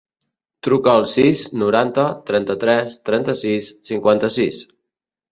Truca al sis, noranta, trenta-tres, trenta-sis, cinquanta-sis.